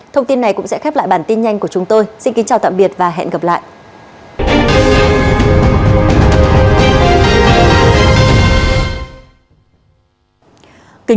thông tin này cũng sẽ khép lại bản tin nhanh của chúng tôi xin kính chào tạm biệt và hẹn gặp lại